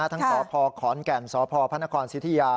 ทั้งสภขอนแก่มสภพศิษยา